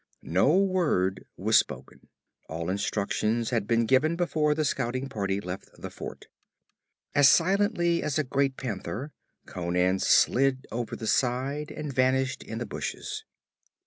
No word was spoken. All instructions had been given before the scouting party left the fort. As silently as a great panther Conan slid over the side and vanished in the bushes.